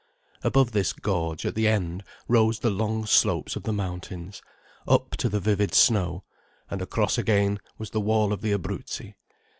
Above this gorge, at the end, rose the long slopes of the mountains, up to the vivid snow—and across again was the wall of the Abruzzi.